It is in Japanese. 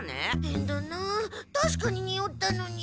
へんだなたしかににおったのに。